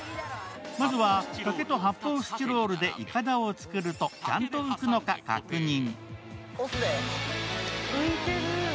まずは竹と発泡スチロールでいかだをつくると、ちゃんと浮くのか確認。